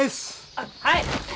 あっはい！